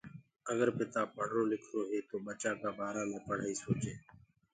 آگر پتآ پڙهرو لکرو هي تو ٻچآ ڪآ بآرآ مي پڙهآئي سوچي